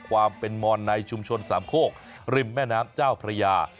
ความเป็นมอนในชุมชนสามโคกริมแม่น้ำเจ้าพระยา